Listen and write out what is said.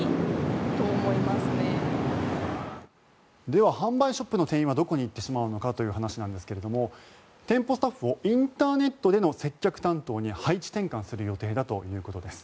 では販売ショップの店員はどこに行ってしまうのかという話ですが店舗スタッフをインターネットでの接客担当に配置転換する予定だということです。